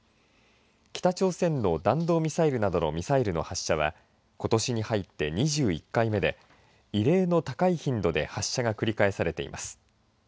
北朝鮮の弾道ミサイルなどのミサイルの発射はことしに入って２１回目で、異例の高い頻度で発射が繰り返されています。